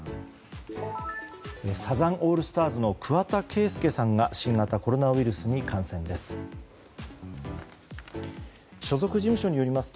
サザンオールスターズの桑田佳祐さんが新型コロナウイルスに感染です。